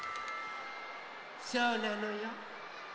そうなのよ。